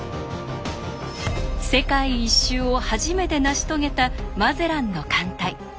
世界一周を初めて成し遂げたマゼランの艦隊。